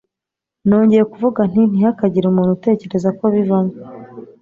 nongeye kuvuga nti ntihakagire umuntu utekereza ko bivamo